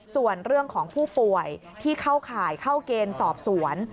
ส่วนเรื่องของผู้ป่วยที่เข้าข่ายเข้าเกณฑ์สอบสวน